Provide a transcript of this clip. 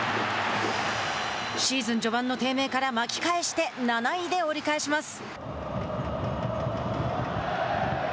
シーズン序盤の低迷から巻き返して７位で折り返します。